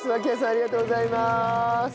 ありがとうございます！